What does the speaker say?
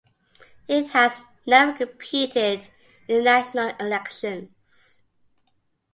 It has never competed in national elections.